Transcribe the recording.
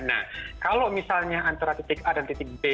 nah kalau misalnya antara titik a dan titik b